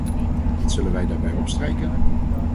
Wat zullen wij daarbij opstrijken?